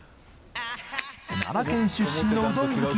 奈良県出身のうどん好き